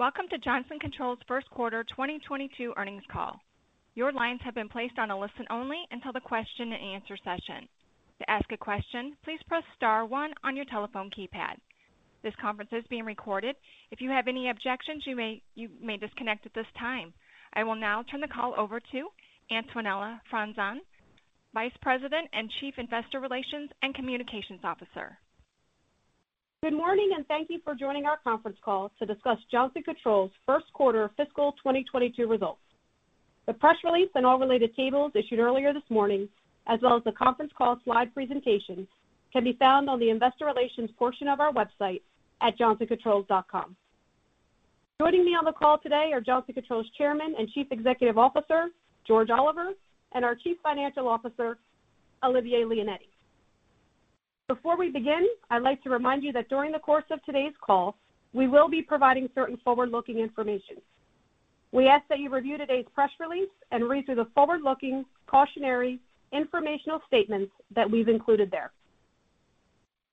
Welcome to Johnson Controls First Quarter 2022 earnings call. Your lines have been placed on a listen only until the question-and-answer session. To ask a question, please press star one on your telephone keypad. This conference is being recorded. If you have any objections, you may disconnect at this time. I will now turn the call over to Antonella Franzen, Vice President and Chief Investor Relations and Communications Officer. Good morning, and thank you for joining our conference call to discuss Johnson Controls first quarter fiscal 2022 results. The press release and all related tables issued earlier this morning, as well as the conference call slide presentations, can be found on the investor relations portion of our website at johnsoncontrols.com. Joining me on the call today are Johnson Controls Chairman and Chief Executive Officer George Oliver, and our Chief Financial Officer Olivier Leonetti. Before we begin, I'd like to remind you that during the course of today's call, we will be providing certain forward-looking information. We ask that you review today's press release and read through the forward-looking cautionary informational statements that we've included there.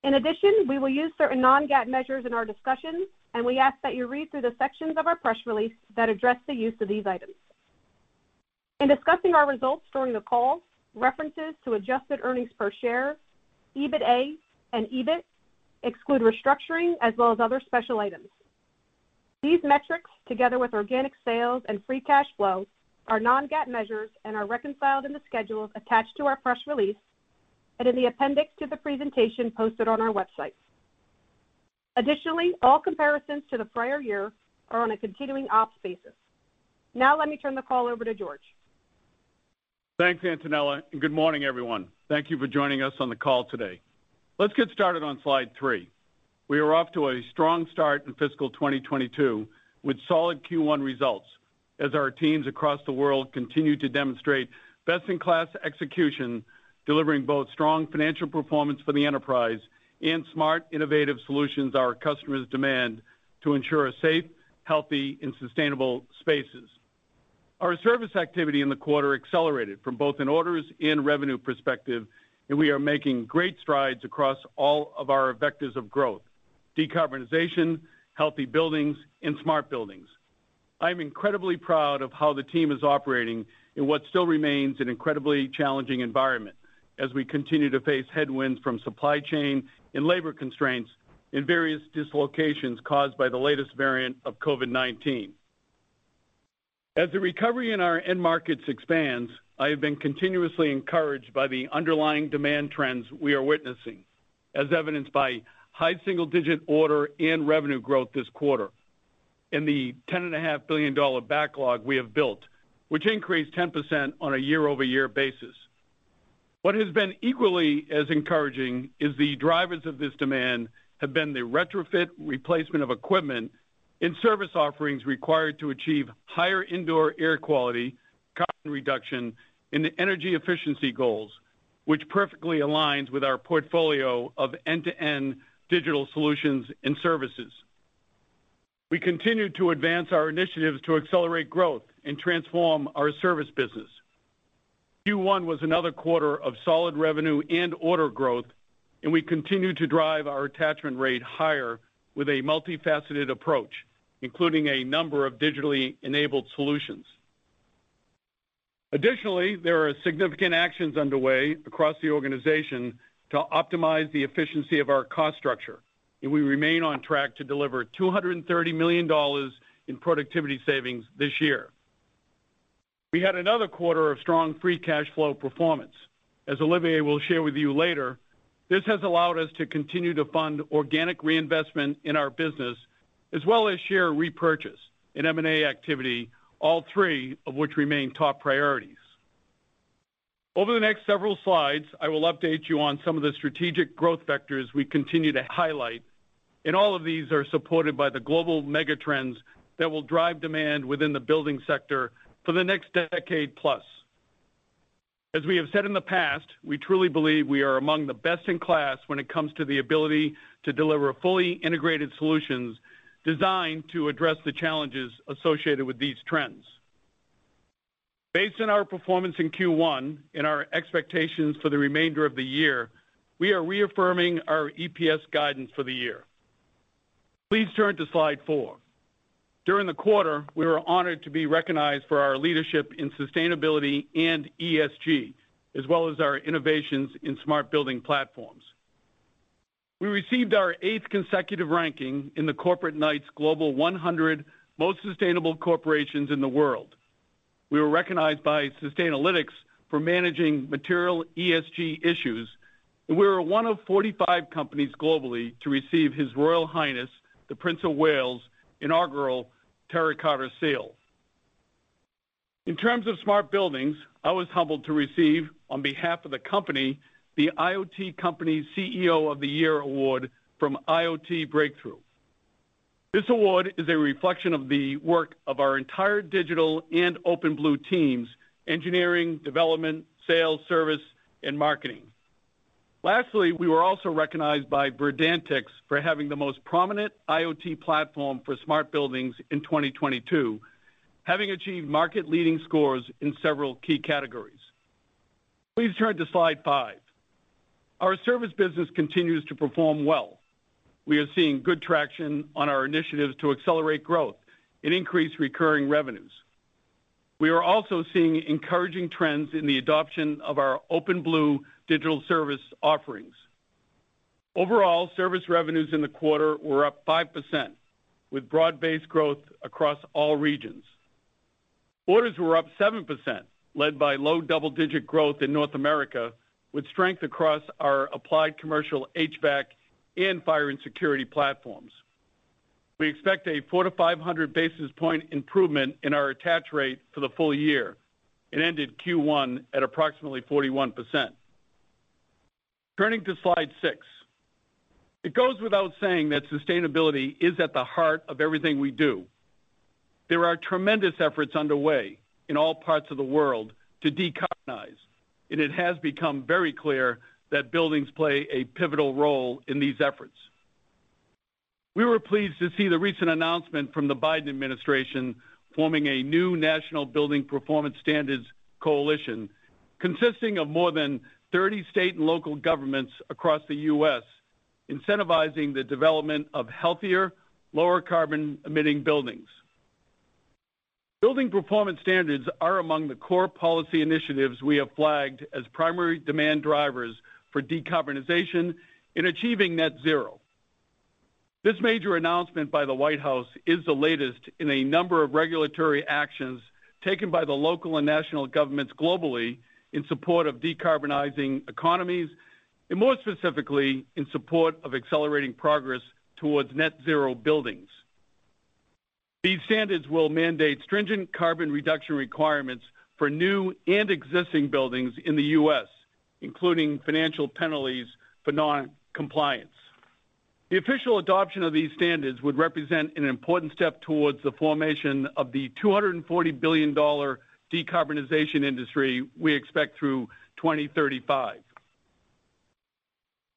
In addition, we will use certain non-GAAP measures in our discussion, and we ask that you read through the sections of our press release that address the use of these items. In discussing our results during the call, references to adjusted earnings per share, EBITDA, and EBIT exclude restructuring as well as other special items. These metrics, together with organic sales and free cash flow, are non-GAAP measures and are reconciled in the schedules attached to our press release and in the appendix to the presentation posted on our website. Additionally, all comparisons to the prior year are on a continuing ops basis. Now let me turn the call over to George. Thanks, Antonella, and good morning, everyone. Thank you for joining us on the call today. Let's get started on slide 3. We are off to a strong start in fiscal 2022 with solid Q1 results as our teams across the world continue to demonstrate best-in-class execution, delivering both strong financial performance for the enterprise and smart, innovative solutions our customers demand to ensure safe, healthy, and sustainable spaces. Our service activity in the quarter accelerated from both an orders and revenue perspective, and we are making great strides across all of our vectors of growth, decarbonization, healthy buildings, and smart buildings. I'm incredibly proud of how the team is operating in what still remains an incredibly challenging environment as we continue to face headwinds from supply chain and labor constraints and various dislocations caused by the latest variant of COVID-19. As the recovery in our end markets expands, I have been continuously encouraged by the underlying demand trends we are witnessing, as evidenced by high single-digit order and revenue growth this quarter in the $10.5 billion backlog we have built, which increased 10% on a year-over-year basis. What has been equally as encouraging is the drivers of this demand have been the retrofit replacement of equipment and service offerings required to achieve higher indoor air quality, carbon reduction, and the energy efficiency goals, which perfectly aligns with our portfolio of end-to-end digital solutions and services. We continue to advance our initiatives to accelerate growth and transform our service business. Q1 was another quarter of solid revenue and order growth, and we continue to drive our attachment rate higher with a multifaceted approach, including a number of digitally enabled solutions. Additionally, there are significant actions underway across the organization to optimize the efficiency of our cost structure, and we remain on track to deliver $230 million in productivity savings this year. We had another quarter of strong free cash flow performance. As Olivier will share with you later, this has allowed us to continue to fund organic reinvestment in our business, as well as share repurchase and M&A activity, all three of which remain top priorities. Over the next several slides, I will update you on some of the strategic growth vectors we continue to highlight, and all of these are supported by the global mega trends that will drive demand within the building sector for the next decade plus. As we have said in the past, we truly believe we are among the best in class when it comes to the ability to deliver fully integrated solutions designed to address the challenges associated with these trends. Based on our performance in Q1 and our expectations for the remainder of the year, we are reaffirming our EPS guidance for the year. Please turn to slide four. During the quarter, we were honored to be recognized for our leadership in sustainability and ESG, as well as our innovations in smart building platforms. We received our eighth consecutive ranking in the Corporate Knights Global 100 Most Sustainable Corporations in the world. We were recognized by Sustainalytics for managing material ESG issues, and we were one of 45 companies globally to receive His Royal Highness, the Prince of Wales, Inaugural Terra Carta Seal. In terms of smart buildings, I was humbled to receive, on behalf of the company, the IoT Company CEO of the Year award from IoT Breakthrough. This award is a reflection of the work of our entire digital and OpenBlue teams, engineering, development, sales, service, and marketing. Lastly, we were also recognized by Verdantix for having the most prominent IoT platform for smart buildings in 2022, having achieved market-leading scores in several key categories. Please turn to slide five. Our service business continues to perform well. We are seeing good traction on our initiatives to accelerate growth and increase recurring revenues. We are also seeing encouraging trends in the adoption of our OpenBlue digital service offerings. Overall, service revenues in the quarter were up 5%, with broad-based growth across all regions. Orders were up 7%, led by low double-digit growth in North America, with strength across our applied commercial HVAC and fire and security platforms. We expect a 400-500 basis point improvement in our attach rate for the full year. It ended Q1 at approximately 41%. Turning to slide 6. It goes without saying that sustainability is at the heart of everything we do. There are tremendous efforts underway in all parts of the world to decarbonize, and it has become very clear that buildings play a pivotal role in these efforts. We were pleased to see the recent announcement from the Biden administration forming a new National Building Performance Standards Coalition consisting of more than 30 state and local governments across the U.S., incentivizing the development of healthier, lower carbon emitting buildings. Building performance standards are among the core policy initiatives we have flagged as primary demand drivers for decarbonization in achieving net zero. This major announcement by the White House is the latest in a number of regulatory actions taken by the local and national governments globally in support of decarbonizing economies, and more specifically, in support of accelerating progress towards net zero buildings. These standards will mandate stringent carbon reduction requirements for new and existing buildings in the U.S., including financial penalties for non-compliance. The official adoption of these standards would represent an important step towards the formation of the $240 billion decarbonization industry we expect through 2035.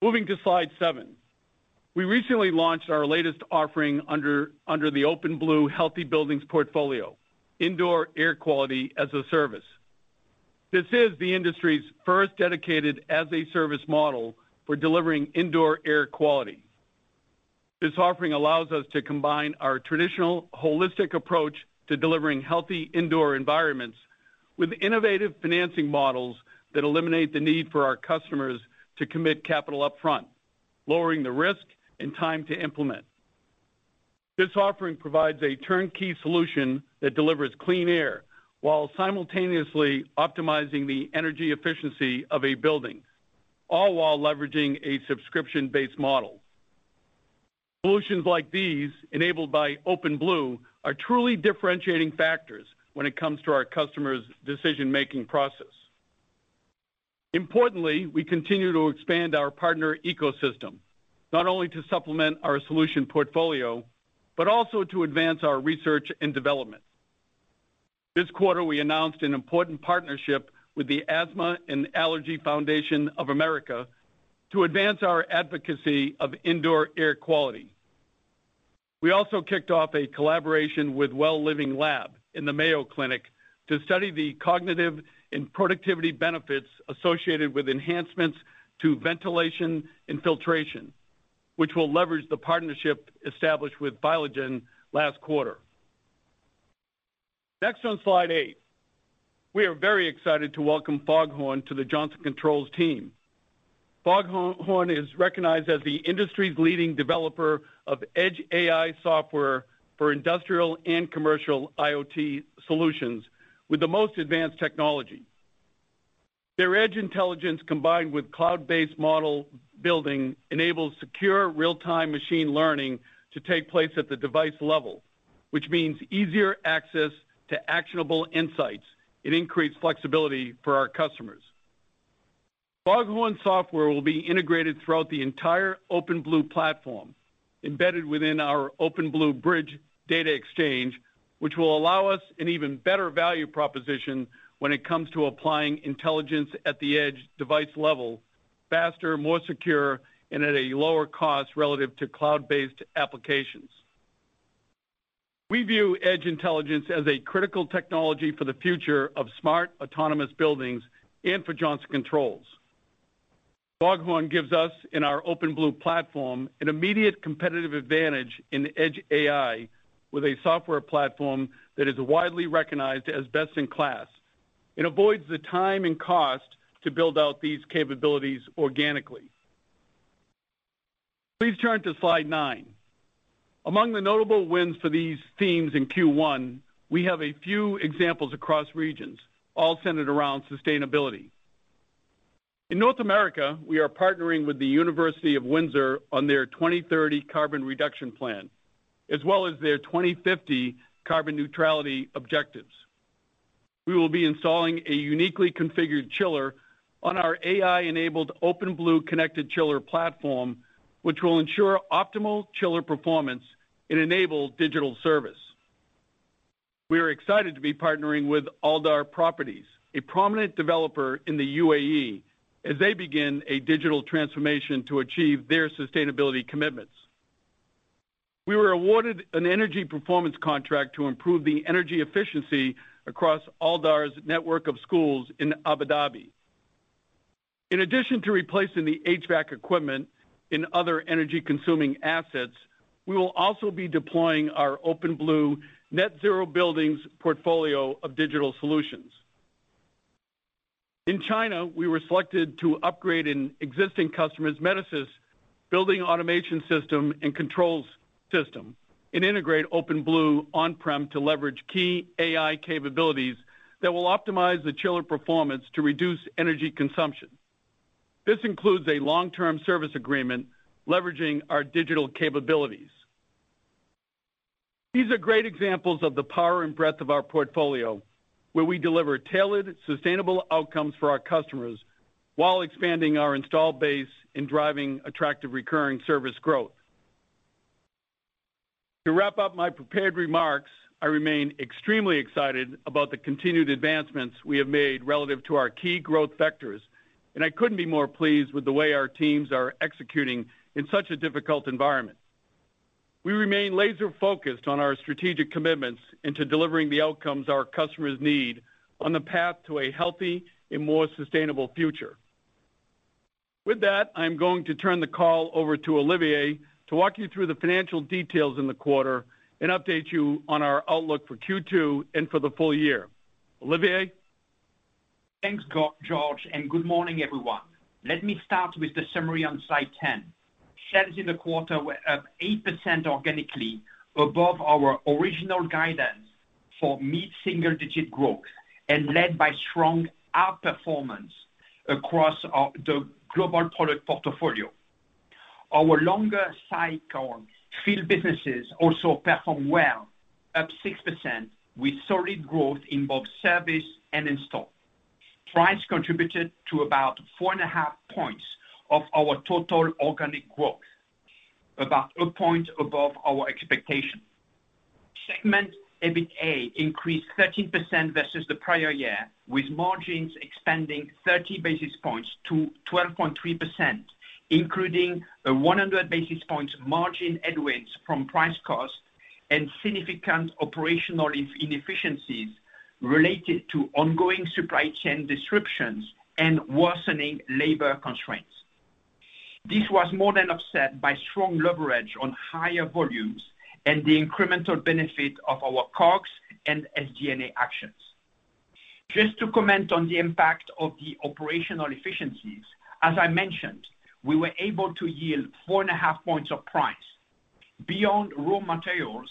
Moving to slide 7. We recently launched our latest offering under the OpenBlue Healthy Buildings portfolio, Indoor Air Quality as a Service. This is the industry's first dedicated as-a-service model for delivering indoor air quality. This offering allows us to combine our traditional holistic approach to delivering healthy indoor environments with innovative financing models that eliminate the need for our customers to commit capital upfront, lowering the risk and time to implement. This offering provides a turnkey solution that delivers clean air while simultaneously optimizing the energy efficiency of a building, all while leveraging a subscription-based model. Solutions like these enabled by OpenBlue are truly differentiating factors when it comes to our customers' decision-making process. Importantly, we continue to expand our partner ecosystem, not only to supplement our solution portfolio, but also to advance our research and development. This quarter, we announced an important partnership with the Asthma and Allergy Foundation of America to advance our advocacy of indoor air quality. We also kicked off a collaboration with Well Living Lab in the Mayo Clinic to study the cognitive and productivity benefits associated with enhancements to ventilation and filtration, which will leverage the partnership established with Biogen last quarter. Next on slide eight. We are very excited to welcome FogHorn to the Johnson Controls team. FogHorn is recognized as the industry's leading developer of edge AI software for industrial and commercial IoT solutions with the most advanced technology. Their edge intelligence, combined with cloud-based model building, enables secure real-time machine learning to take place at the device level, which means easier access to actionable insights and increased flexibility for our customers. FogHorn software will be integrated throughout the entire OpenBlue platform, embedded within our OpenBlue Bridge data exchange, which will allow us an even better value proposition when it comes to applying intelligence at the edge device level, faster, more secure, and at a lower cost relative to cloud-based applications. We view edge intelligence as a critical technology for the future of smart, autonomous buildings and for Johnson Controls. FogHorn gives us and our OpenBlue platform an immediate competitive advantage in edge AI with a software platform that is widely recognized as best in class. It avoids the time and cost to build out these capabilities organically. Please turn to slide 9. Among the notable wins for these themes in Q1, we have a few examples across regions, all centered around sustainability. In North America, we are partnering with the University of Windsor on their 2030 carbon reduction plan, as well as their 2050 carbon neutrality objectives. We will be installing a uniquely configured chiller on our AI-enabled OpenBlue connected chiller platform, which will ensure optimal chiller performance and enable digital service. We are excited to be partnering with Aldar Properties, a prominent developer in the UAE, as they begin a digital transformation to achieve their sustainability commitments. We were awarded an energy performance contract to improve the energy efficiency across Aldar's network of schools in Abu Dhabi. In addition to replacing the HVAC equipment in other energy-consuming assets, we will also be deploying our OpenBlue net zero buildings portfolio of digital solutions. In China, we were selected to upgrade an existing customer's Metasys building automation system and controls system and integrate OpenBlue on-prem to leverage key AI capabilities that will optimize the chiller performance to reduce energy consumption. This includes a long-term service agreement leveraging our digital capabilities. These are great examples of the power and breadth of our portfolio, where we deliver tailored, sustainable outcomes for our customers while expanding our install base and driving attractive recurring service growth. To wrap up my prepared remarks, I remain extremely excited about the continued advancements we have made relative to our key growth vectors, and I couldn't be more pleased with the way our teams are executing in such a difficult environment. We remain laser-focused on our strategic commitments into delivering the outcomes our customers need on the path to a healthy and more sustainable future. With that, I'm going to turn the call over to Olivier to walk you through the financial details in the quarter and update you on our outlook for Q2 and for the full year. Olivier? Thanks, George, and good morning, everyone. Let me start with the summary on slide 10. Sales in the quarter were up 8% organically above our original guidance for mid-single-digit growth and led by strong outperformance across the global product portfolio. Our longer cycle field businesses also performed well, up 6%, with solid growth in both service and install. Price contributed to about 4.5 points of our total organic growth, about a point above our expectation. Segment EBITDA increased 13% versus the prior year, with margins expanding 30 basis points to 12.3%, including a 100 basis points margin headwinds from price cost and significant operational inefficiencies related to ongoing supply chain disruptions and worsening labor constraints. This was more than offset by strong leverage on higher volumes and the incremental benefit of our COGS and SG&A actions. Just to comment on the impact of the operational efficiencies, as I mentioned, we were able to yield 4.5 points of price. Beyond raw materials,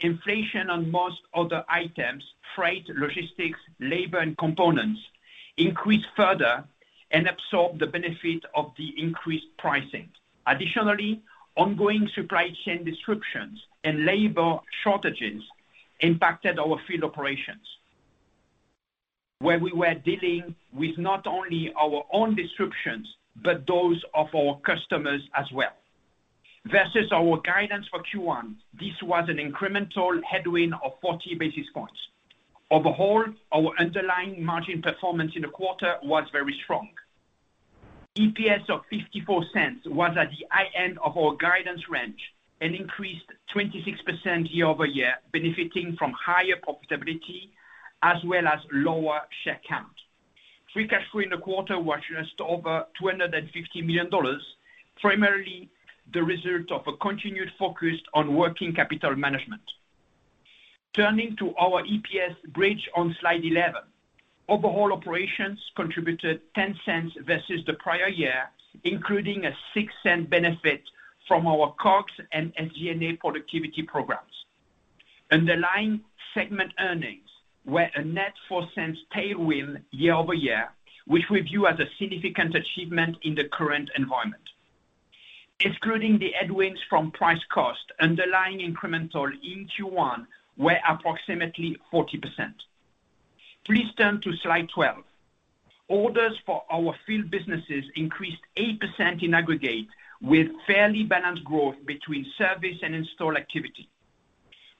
inflation on most other items, freight, logistics, labor, and components increased further and absorbed the benefit of the increased pricing. Additionally, ongoing supply chain disruptions and labor shortages impacted our field operations, where we were dealing with not only our own disruptions, but those of our customers as well. Versus our guidance for Q1, this was an incremental headwind of 40 basis points. Overall, our underlying margin performance in the quarter was very strong. EPS of $0.54 was at the high end of our guidance range and increased 26% year-over-year, benefiting from higher profitability as well as lower share count. Free cash flow in the quarter was just over $250 million, primarily the result of a continued focus on working capital management. Turning to our EPS bridge on slide 11, overall operations contributed $0.10 versus the prior year, including a $0.06 benefit from our COGS and SG&A productivity programs. Underlying segment earnings were a net $0.04 tailwind year-over-year, which we view as a significant achievement in the current environment. Excluding the headwinds from price-cost, underlying incremental in Q1 were approximately 40%. Please turn to slide 12. Orders for our field businesses increased 8% in aggregate, with fairly balanced growth between service and install activity.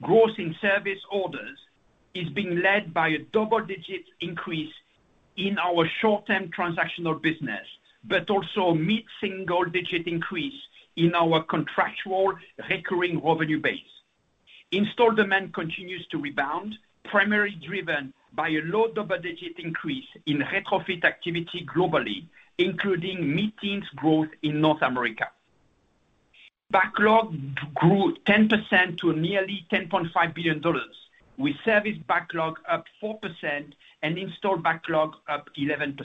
Growth in service orders is being led by a double-digit increase in our short-term transactional business, but also mid-single-digit increase in our contractual recurring revenue base. Install demand continues to rebound, primarily driven by a low double-digit increase in retrofit activity globally, including mid-teens growth in North America. Backlog grew 10% to nearly $10.5 billion, with service backlog up 4% and install backlog up 11%.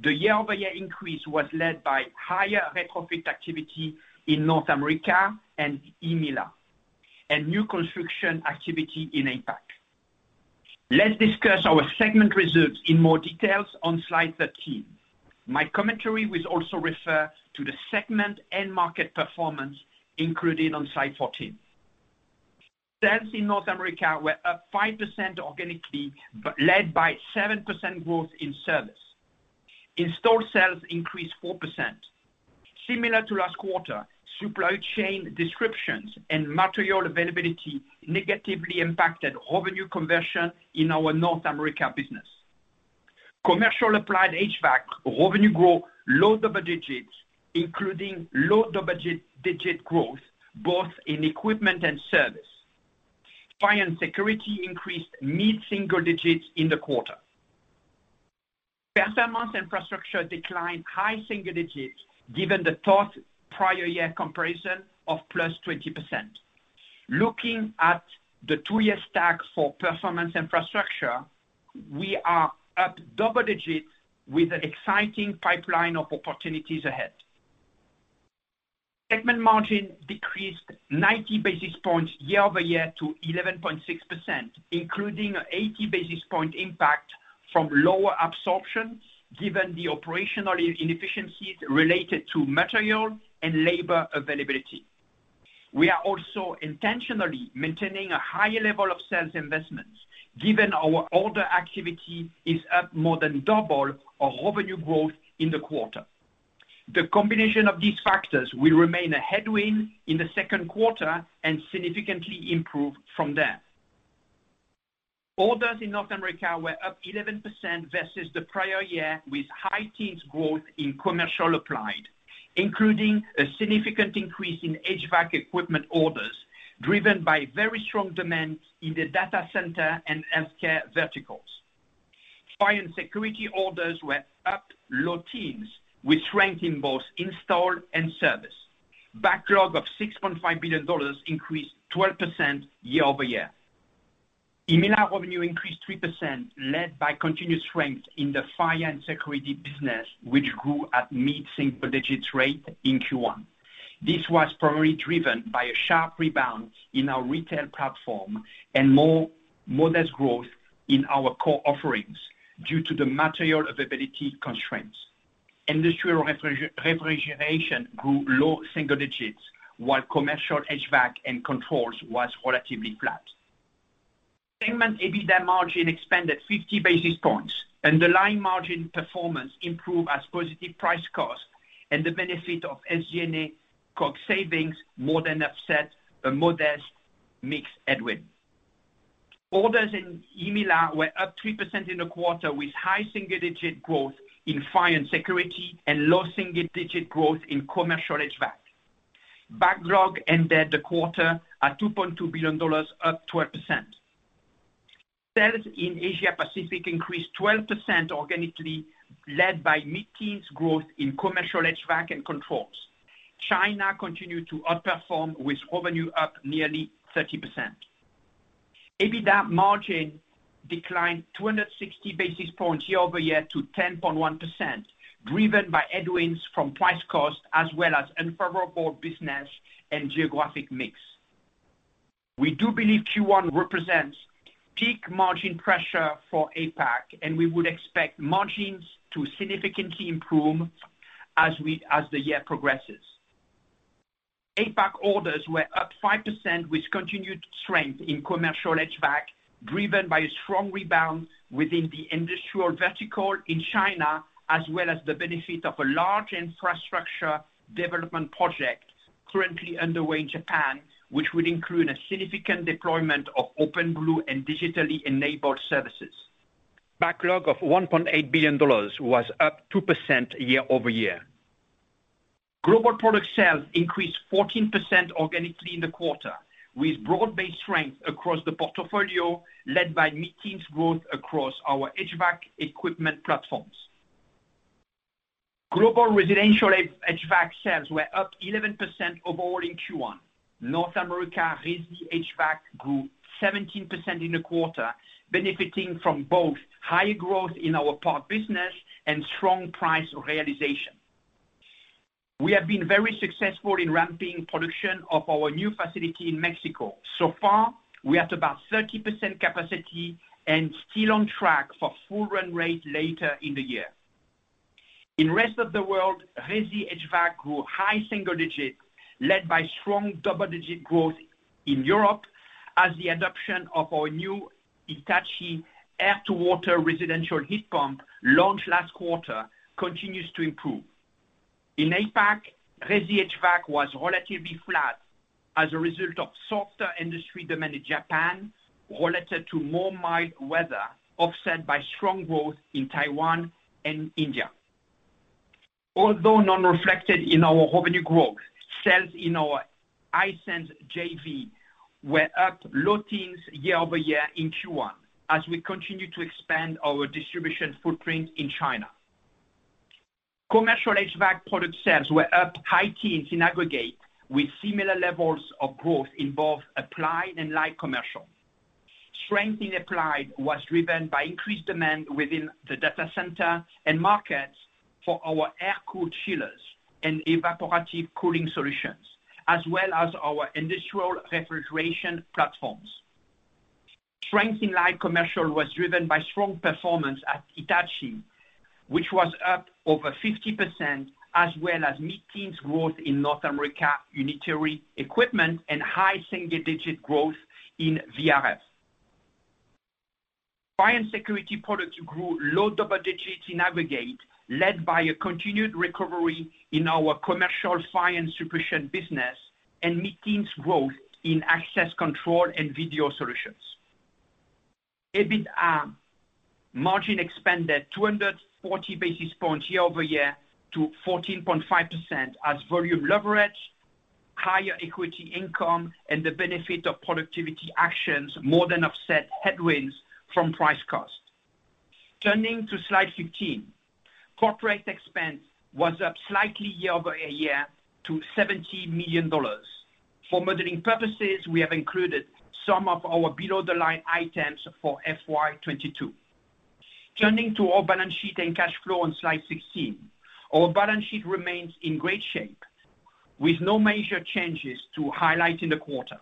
The year-over-year increase was led by higher retrofit activity in North America and EMEA/LA, and new construction activity in APAC. Let's discuss our segment results in more detail on slide 13. My commentary will also refer to the segment end market performance included on slide 14. Sales in North America were up 5% organically, led by 7% growth in service. Install sales increased 4%. Similar to last quarter, supply chain disruptions and material availability negatively impacted revenue conversion in our North America business. Commercial applied HVAC revenue growth low double digits, including low double-digit growth both in equipment and service. Fire and security increased mid-single digits in the quarter. Performance infrastructure declined high single digits given the tough prior year comparison of +20%. Looking at the two-year stack for performance infrastructure, we are up double digits with an exciting pipeline of opportunities ahead. Segment margin decreased 90 basis points year-over-year to 11.6%, including 80 basis point impact from lower absorption given the operational inefficiencies related to material and labor availability. We are also intentionally maintaining a higher level of sales investments given our order activity is up more than double our revenue growth in the quarter. The combination of these factors will remain a headwind in the second quarter and significantly improve from there. Orders in North America were up 11% versus the prior year with high-teens growth in commercial applied, including a significant increase in HVAC equipment orders, driven by very strong demand in the data center and healthcare verticals. Fire and security orders were up low-teens, with strength in both install and service. Backlog of $6.5 billion increased 12% year-over-year. EMEA revenue increased 3%, led by continuous strength in the fire and security business, which grew at mid-single-digits rate in Q1. This was primarily driven by a sharp rebound in our retail platform and more modest growth in our core offerings due to the material availability constraints. Industrial refrigeration grew low single digits, while commercial HVAC and controls was relatively flat. Segment EBITDA margin expanded 50 basis points. Underlying margin performance improved as positive price cost and the benefit of SG&A cost savings more than offset a modest mix headwind. Orders in EMEA were up 3% in the quarter, with high single-digit growth in fire and security and low single-digit growth in commercial HVAC. Backlog ended the quarter at $2.2 billion, up 12%. Sales in Asia Pacific increased 12% organically, led by mid-teens growth in commercial HVAC and controls. China continued to outperform with revenue up nearly 30%. EBITDA margin declined 260 basis points year-over-year to 10.1%, driven by headwinds from price cost as well as unfavorable business and geographic mix. We do believe Q1 represents peak margin pressure for APAC, and we would expect margins to significantly improve as the year progresses. APAC orders were up 5% with continued strength in commercial HVAC, driven by a strong rebound within the industrial vertical in China, as well as the benefit of a large infrastructure development project currently underway in Japan, which would include a significant deployment of OpenBlue and digitally enabled services. Backlog of $1.8 billion was up 2% year-over-year. Global product sales increased 14% organically in the quarter, with broad-based strength across the portfolio led by mid-teens growth across our HVAC equipment platforms. Global residential HVAC sales were up 11% overall in Q1. North America resi HVAC grew 17% in the quarter, benefiting from both high growth in our parts business and strong price realization. We have been very successful in ramping production of our new facility in Mexico. We're at about 30% capacity and still on track for full run rate later in the year. In the rest of the world, resi HVAC grew high single digits, led by strong double-digit growth in Europe as the adoption of our new Hitachi air-to-water residential heat pump launched last quarter continues to improve. In APAC, resi HVAC was relatively flat as a result of softer industry demand in Japan related to more mild weather, offset by strong growth in Taiwan and India. Although not reflected in our revenue growth, sales in our Hisense JV was up low teens% year-over-year in Q1 as we continue to expand our distribution footprint in China. Commercial HVAC product sales were up high teens% in aggregate with similar levels of growth in both applied and light commercial. Strength in applied was driven by increased demand within the data center and markets for our air-cooled chillers and evaporative cooling solutions, as well as our industrial refrigeration platforms. Strength in light commercial was driven by strong performance at Hitachi, which was up over 50%, as well as mid-teens growth in North America unitary equipment and high single-digit growth in VRF. Fire and security products grew low double digits in aggregate, led by a continued recovery in our commercial fire and suppression business. Meaningful growth in access control and video solutions. EBIT margin expanded 240 basis points year-over-year to 14.5% as volume leverage, higher equity income and the benefit of productivity actions more than offset headwinds from price cost. Turning to slide 15. Corporate expense was up slightly year-over-year to $70 million. For modeling purposes, we have included some of our below-the-line items for FY 2022. Turning to our balance sheet and cash flow on slide 16. Our balance sheet remains in great shape with no major changes to highlight in the quarter.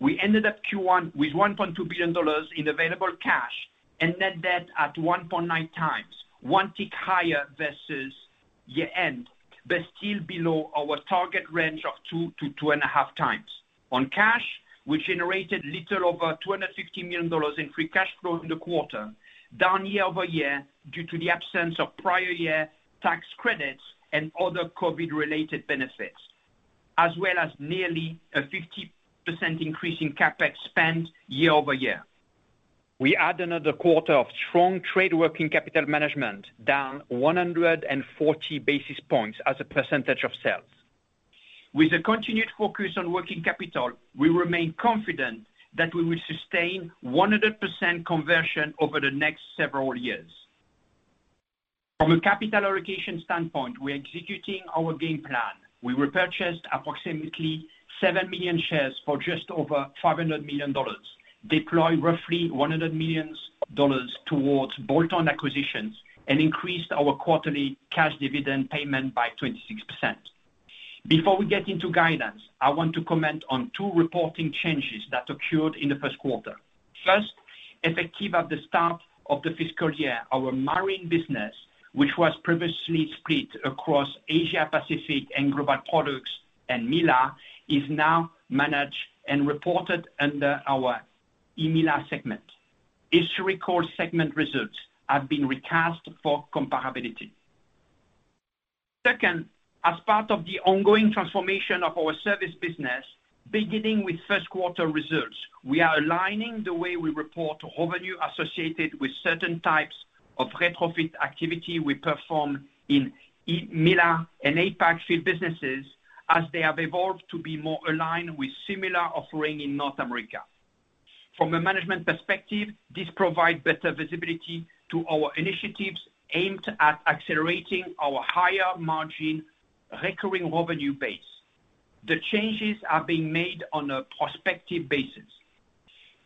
We ended up Q1 with $1.2 billion in available cash and net debt at 1.9 times, one tick higher versus year-end, but still below our target range of 2-2.5 times. On cash, we generated a little over $250 million in free cash flow in the quarter, down year-over-year due to the absence of prior year tax credits and other COVID-related benefits, as well as nearly a 50% increase in CapEx spend year-over-year. We add another quarter of strong trade working capital management, down 140 basis points as a percentage of sales. With a continued focus on working capital, we remain confident that we will sustain 100% conversion over the next several years. From a capital allocation standpoint, we're executing our game plan. We repurchased approximately 7 million shares for just over $500 million, deployed roughly $100 million towards bolt-on acquisitions, and increased our quarterly cash dividend payment by 26%. Before we get into guidance, I want to comment on two reporting changes that occurred in the first quarter. First, effective at the start of the fiscal year, our marine business, which was previously split across Asia Pacific and Global Products and EMEA/LA, is now managed and reported under our EMEA/LA segment. Historical segment results have been recast for comparability. Second, as part of the ongoing transformation of our service business, beginning with first quarter results, we are aligning the way we report revenue associated with certain types of retrofit activity we perform in EMEA/LA and APAC field businesses as they have evolved to be more aligned with similar offering in North America. From a management perspective, this provide better visibility to our initiatives aimed at accelerating our higher margin recurring revenue base. The changes are being made on a prospective basis.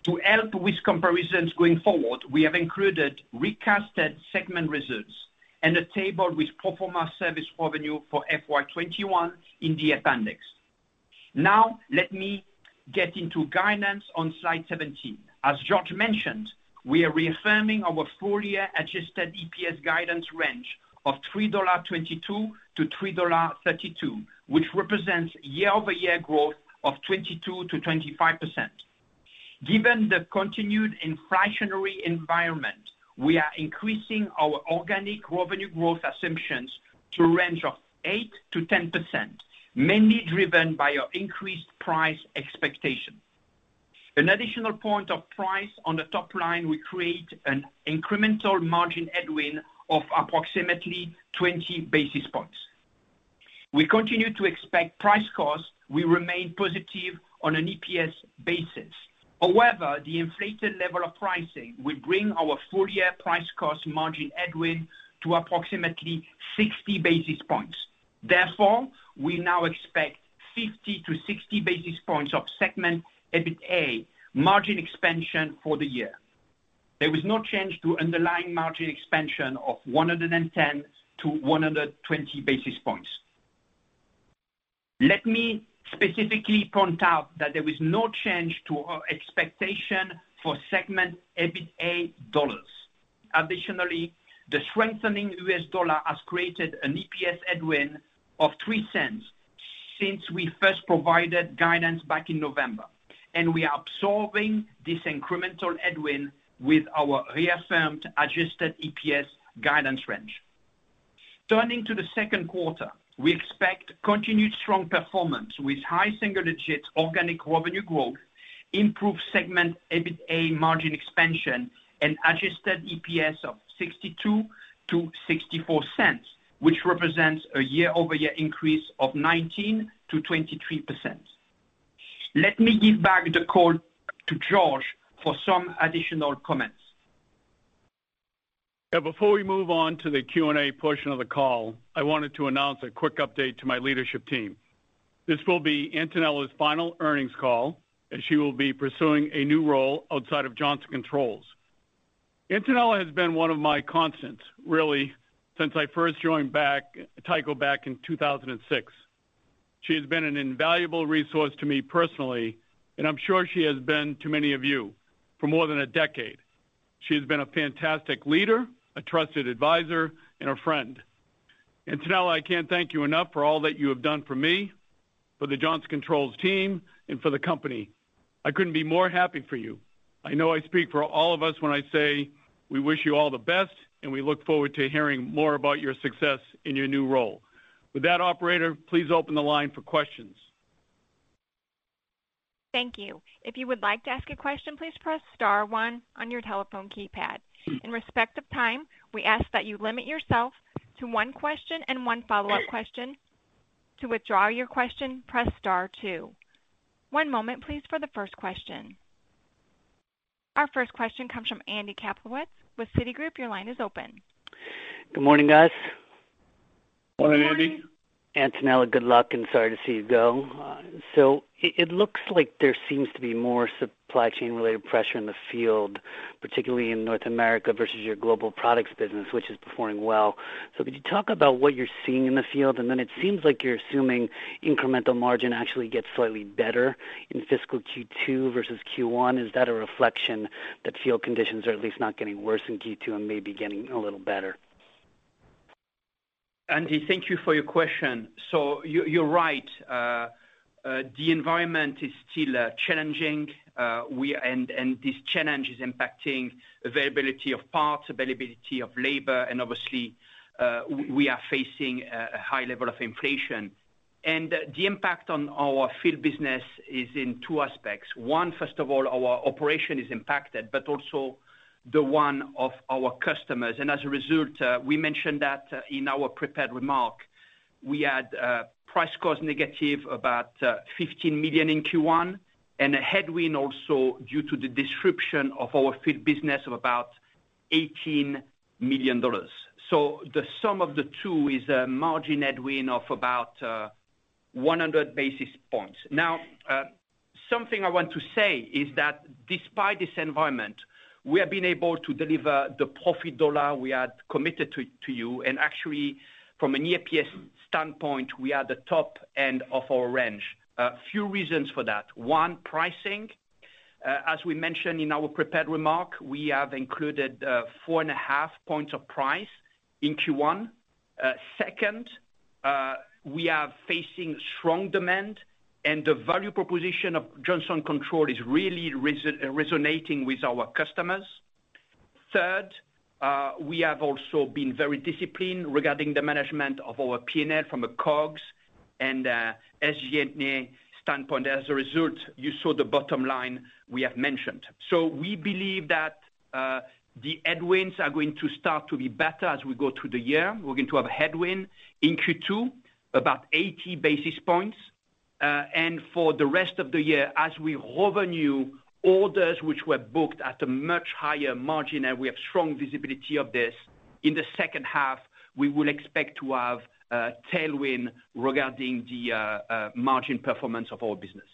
To help with comparisons going forward, we have included recasted segment results and a table with pro forma service revenue for FY 2021 in the appendix. Now, let me get into guidance on slide 17. As George mentioned, we are reaffirming our full-year adjusted EPS guidance range of $3.22-$3.32, which represents year-over-year growth of 22%-25%. Given the continued inflationary environment, we are increasing our organic revenue growth assumptions to a range of 8%-10%, mainly driven by our increased price expectations. An additional point of price on the top line will create an incremental margin headwind of approximately 20 basis points. We continue to expect price cost will remain positive on an EPS basis. However, the inflated level of pricing will bring our full-year price cost margin headwind to approximately 60 basis points. Therefore, we now expect 50-60 basis points of segment EBITDA margin expansion for the year. There was no change to underlying margin expansion of 110-120 basis points. Let me specifically point out that there is no change to our expectation for segment EBITDA dollars. Additionally, the strengthening U.S. dollar has created an EPS headwind of $0.03 since we first provided guidance back in November, and we are absorbing this incremental headwind with our reaffirmed adjusted EPS guidance range. Turning to the second quarter, we expect continued strong performance with high single-digit organic revenue growth, improved segment EBITDA margin expansion and adjusted EPS of $0.62-$0.64, which represents a year-over-year increase of 19%-23%. Let me give back the call to George for some additional comments. Before we move on to the Q&A portion of the call, I wanted to announce a quick update to my leadership team. This will be Antonella's final earnings call, as she will be pursuing a new role outside of Johnson Controls. Antonella has been one of my constants, really, since I first joined Tyco back in 2006. She has been an invaluable resource to me personally, and I'm sure she has been to many of you for more than a decade. She has been a fantastic leader, a trusted advisor, and a friend. Antonella, I can't thank you enough for all that you have done for me, for the Johnson Controls team, and for the company. I couldn't be more happy for you. I know I speak for all of us when I say we wish you all the best, and we look forward to hearing more about your success in your new role. With that, operator, please open the line for questions. Thank you. If you would like to ask a question, please press star one on your telephone keypad. Out of respect for time, we ask that you limit yourself to one question and one follow-up question. To withdraw your question, press star two. One moment, please, for the first question. Our first question comes from Andy Kaplowitz with Citigroup. Your line is open. Good morning, guys. Morning, Andy. Morning. Antonella, good luck, and sorry to see you go. It looks like there seems to be more supply chain-related pressure in the field, particularly in North America versus your global products business, which is performing well. Could you talk about what you're seeing in the field? It seems like you're assuming incremental margin actually gets slightly better in fiscal Q2 versus Q1. Is that a reflection that field conditions are at least not getting worse in Q2 and maybe getting a little better? Andy, thank you for your question. You're right. The environment is still challenging, and this challenge is impacting availability of parts, availability of labor, and obviously, we are facing a high level of inflation. The impact on our field business is in two aspects. One, first of all, our operation is impacted, but also the one of our customers. As a result, we mentioned that in our prepared remark, we had price cost negative about $15 million in Q1, and a headwind also due to the disruption of our field business of about $18 million. The sum of the two is a margin headwind of about 100 basis points. Now, something I want to say is that despite this environment, we have been able to deliver the profit dollar we had committed to you, and actually from an EPS standpoint, we are at the top end of our range. A few reasons for that. One, pricing. As we mentioned in our prepared remark, we have included 4.5 points of price in Q1. Second, we are facing strong demand and the value proposition of Johnson Controls is really resonating with our customers. Third, we have also been very disciplined regarding the management of our P&L from a COGS and SG&A standpoint. As a result, you saw the bottom line we have mentioned. We believe that the headwinds are going to start to be better as we go through the year. We're going to have a headwind in Q2, about 80 basis points. For the rest of the year, as we recognize revenue on orders which were booked at a much higher margin, and we have strong visibility of this, in the second half, we will expect to have a tailwind regarding the margin performance of our business.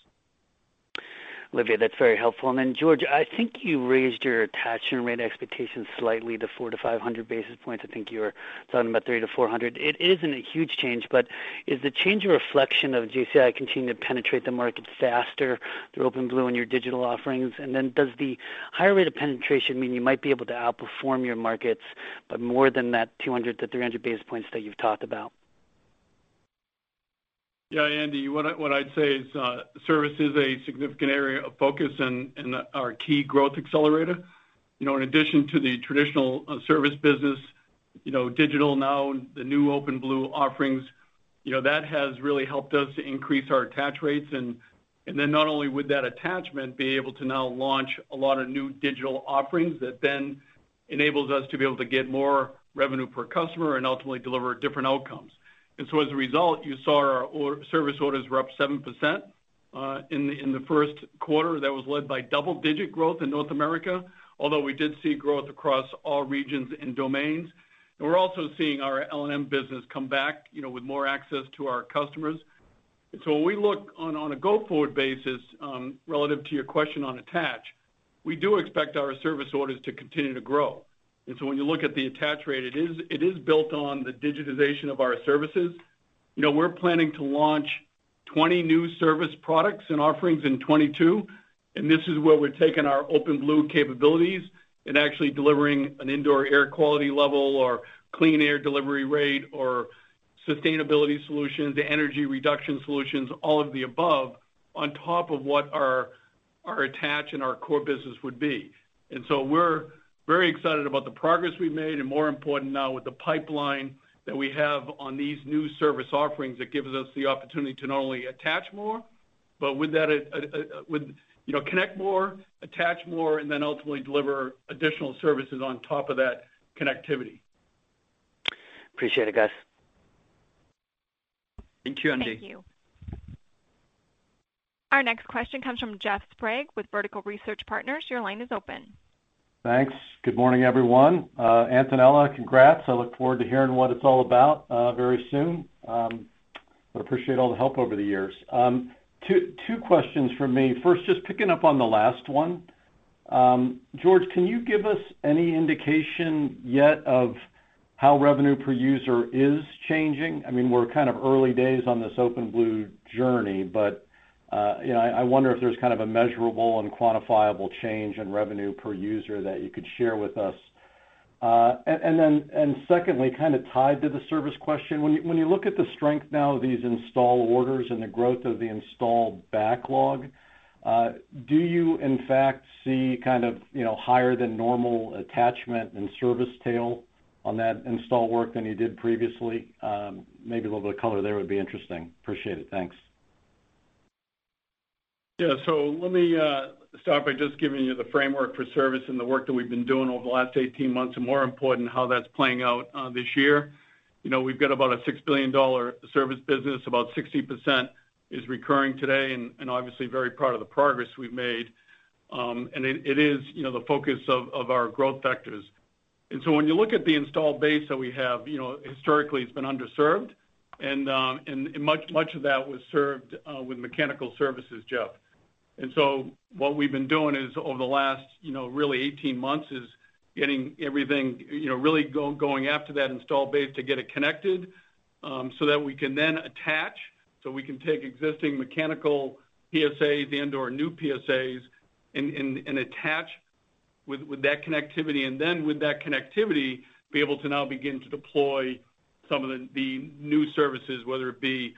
Olivier, that's very helpful. Then, George, I think you raised your attachment rate expectations slightly to 400-500 basis points. I think you were talking about 300-400. It isn't a huge change, but is the change a reflection of JCI continuing to penetrate the markets faster through OpenBlue and your digital offerings? Then does the higher rate of penetration mean you might be able to outperform your markets, but more than that 200-300 basis points that you've talked about? Yeah, Andy, what I'd say is service is a significant area of focus and our key growth accelerator. You know, in addition to the traditional service business, you know, digital now and the new OpenBlue offerings, you know, that has really helped us increase our attach rates. And then not only would that attachment be able to now launch a lot of new digital offerings that then enables us to be able to get more revenue per customer and ultimately deliver different outcomes. As a result, you saw our service orders were up 7% in the first quarter. That was led by double-digit growth in North America, although we did see growth across all regions and domains. We're also seeing our LNM business come back, you know, with more access to our customers. When we look on a go-forward basis, relative to your question on attach, we do expect our service orders to continue to grow. When you look at the attach rate, it is built on the digitization of our services. You know, we're planning to launch 20 new service products and offerings in 2022, and this is where we're taking our OpenBlue capabilities and actually delivering an indoor air quality level or clean air delivery rate or sustainability solutions to energy reduction solutions, all of the above, on top of what our attach and our core business would be. We're very excited about the progress we've made, and more important now with the pipeline that we have on these new service offerings that gives us the opportunity to not only attach more, but with that, you know, connect more, attach more, and then ultimately deliver additional services on top of that connectivity. Appreciate it, guys. Thank you, Andy. Thank you. Our next question comes from Jeff Sprague with Vertical Research Partners. Your line is open. Thanks. Good morning, everyone. Antonella, congrats. I look forward to hearing what it's all about, very soon. Appreciate all the help over the years. Two questions from me. First, just picking up on the last one. George, can you give us any indication yet of how revenue per user is changing? I mean, we're kind of early days on this OpenBlue journey, but you know, I wonder if there's kind of a measurable and quantifiable change in revenue per user that you could share with us, and then and secondly, kind of tied to the service question, when you look at the strength now of these install orders and the growth of the install backlog, do you in fact see kind of, you know, higher than normal attachment and service tail on that install work than you did previously? Maybe a little bit of color there would be interesting. Appreciate it. Thanks. Let me start by just giving you the framework for service and the work that we've been doing over the last 18 months, and more important, how that's playing out this year. You know, we've got about a $6 billion service business. About 60% is recurring today and obviously very proud of the progress we've made. It is, you know, the focus of our growth vectors. When you look at the installed base that we have, you know, historically it's been underserved, and much of that was served with mechanical services, Jeff. What we've been doing is over the last, you know, really 18 months, is getting everything, you know, really going after that installed base to get it connected, so that we can then attach, so we can take existing mechanical PSAs and/or new PSAs and attach with that connectivity. Then with that connectivity, be able to now begin to deploy some of the new services, whether it be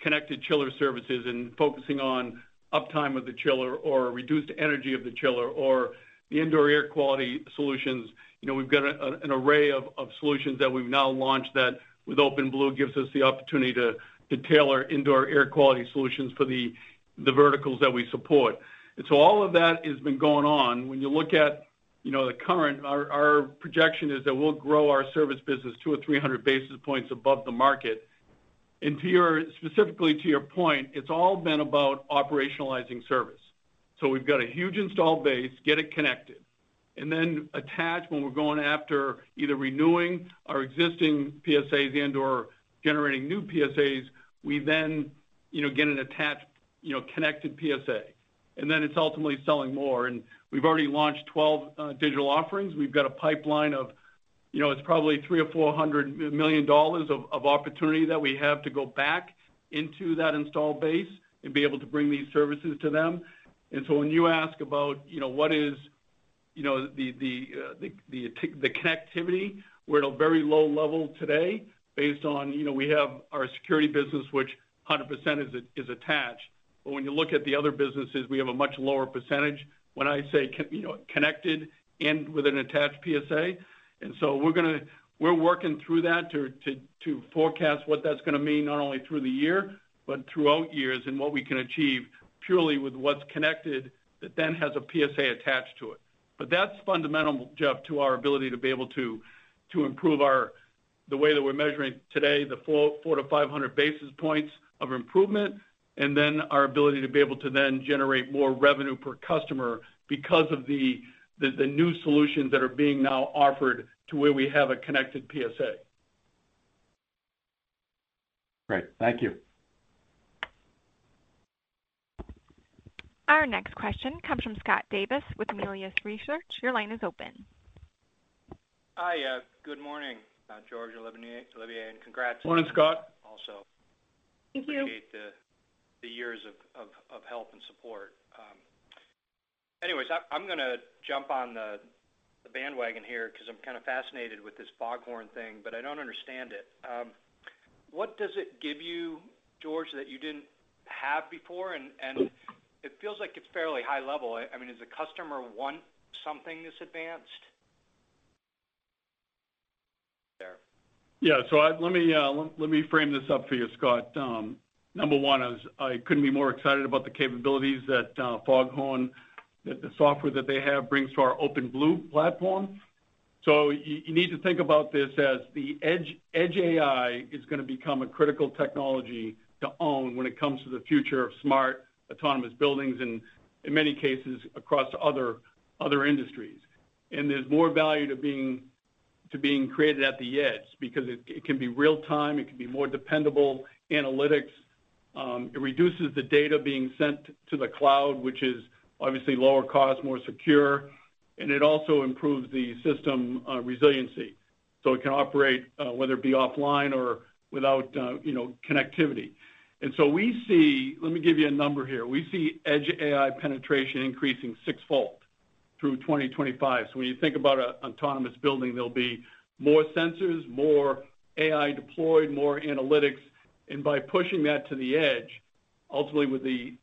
connected chiller services and focusing on uptime of the chiller or reduced energy of the chiller or the indoor air quality solutions. You know, we've got an array of solutions that we've now launched that with OpenBlue gives us the opportunity to tailor indoor air quality solutions for the verticals that we support. All of that has been going on. When you look at, you know, the current, our projection is that we'll grow our service business 200 or 300 basis points above the market. To your point, specifically to your point, it's all been about operationalizing service. We've got a huge installed base, get it connected, and then attach when we're going after either renewing our existing PSAs and/or generating new PSAs, we then, you know, get an attached, you know, connected PSA. Then it's ultimately selling more. We've already launched 12 digital offerings. We've got a pipeline of, you know, it's probably $300 million-$400 million of opportunity that we have to go back into that installed base and be able to bring these services to them. When you ask about, you know, what is, you know, the connectivity, we're at a very low level today based on, you know, we have our security business which 100% is attached. But when you look at the other businesses, we have a much lower percentage when I say you know, connected and with an attached PSA. We're working through that to forecast what that's gonna mean, not only through the year, but throughout years and what we can achieve purely with what's connected that then has a PSA attached to it. That's fundamental, Jeff, to our ability to be able to improve the way that we're measuring today, the 400-500 basis points of improvement, and then our ability to be able to then generate more revenue per customer because of the new solutions that are being now offered to where we have a connected PSA. Great. Thank you. Our next question comes from Scott Davis with Melius Research. Your line is open. Hi. Good morning, George, Olivier. Congrats- Morning, Scott. Also- Thank you.... appreciate the years of help and support. Anyways, I'm gonna jump on the bandwagon here 'cause I'm kind of fascinated with this FogHorn thing, but I don't understand it. What does it give you, George, that you didn't have before? It feels like it's fairly high level. I mean, does the customer want something this advanced? There. Let me frame this up for you, Scott. Number one, I couldn't be more excited about the capabilities that FogHorn, the software that they have, brings to our OpenBlue platform. You need to think about this as the edge AI is gonna become a critical technology to own when it comes to the future of smart, autonomous buildings and in many cases across other industries. There's more value to being created at the edge because it can be real time, it can be more dependable analytics. It reduces the data being sent to the cloud, which is obviously lower cost, more secure, and it also improves the system resiliency, so it can operate whether it be offline or without, you know, connectivity. We see. Let me give you a number here. We see edge AI penetration increasing sixfold through 2025. When you think about an autonomous building, there'll be more sensors, more AI deployed, more analytics. By pushing that to the edge, ultimately with the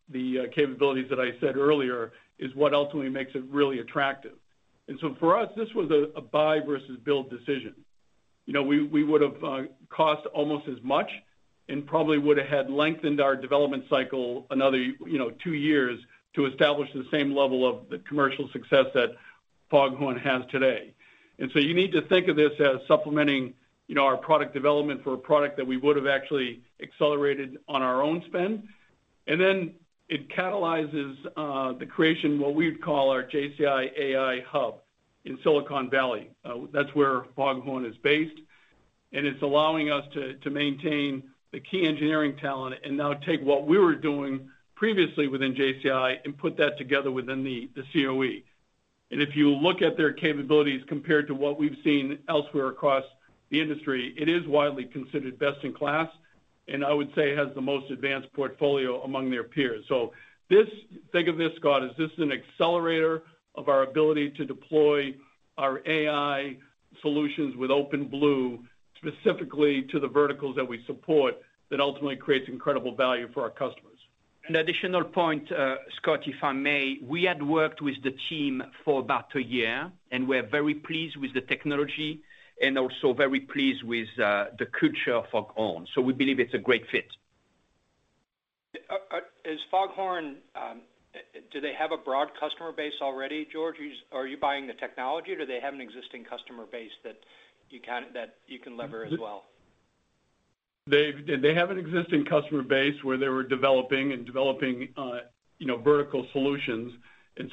capabilities that I said earlier, is what ultimately makes it really attractive. For us, this was a buy versus build decision. You know, we would've cost almost as much and probably would've had lengthened our development cycle another, you know, two years to establish the same level of the commercial success that FogHorn has today. You need to think of this as supplementing, you know, our product development for a product that we would've actually accelerated on our own spend. It catalyzes the creation, what we would call our JCI AI hub in Silicon Valley. That's where FogHorn is based, and it's allowing us to maintain the key engineering talent and now take what we were doing previously within JCI and put that together within the COE. If you look at their capabilities compared to what we've seen elsewhere across the industry, it is widely considered best in class. I would say it has the most advanced portfolio among their peers. This, think of this, Scott, as just an accelerator of our ability to deploy our AI solutions with OpenBlue specifically to the verticals that we support that ultimately creates incredible value for our customers. An additional point, Scott, if I may. We had worked with the team for about a year, and we're very pleased with the technology and also very pleased with the culture of FogHorn. We believe it's a great fit. Is FogHorn, do they have a broad customer base already, George? Are you buying the technology, or do they have an existing customer base that you can leverage as well? They have an existing customer base where they were developing, you know, vertical solutions.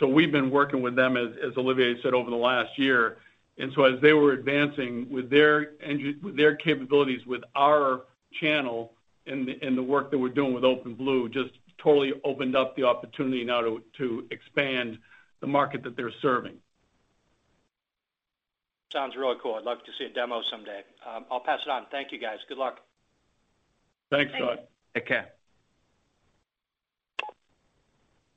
We've been working with them as Olivier said over the last year. As they were advancing with their capabilities, with our channel and the work that we're doing with OpenBlue, just totally opened up the opportunity now to expand the market that they're serving. Sounds really cool. I'd love to see a demo someday. I'll pass it on. Thank you, guys. Good luck. Thanks, Scott. Take care.